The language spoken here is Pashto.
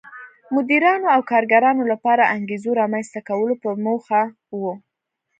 مدیرانو او کارګرانو لپاره انګېزو رامنځته کولو په موخه و.